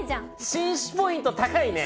紳士ポイント高いね。